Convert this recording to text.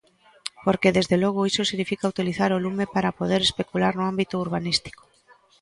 Porque, desde logo, iso significa utilizar o lume para poder especular no ámbito urbanístico.